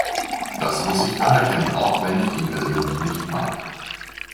Das muss ich anerkennen, auch wenn ich ihn persönlich nicht mag.